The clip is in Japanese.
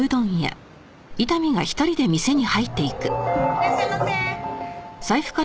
いらっしゃいませ！